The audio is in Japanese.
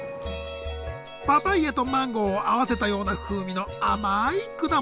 パパイアとマンゴーを合わせたような風味の甘い果物。